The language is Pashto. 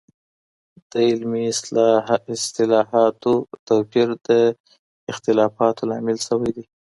د علمي اصطلاحاتو توپير د اختلافاتو لامل سوی دی.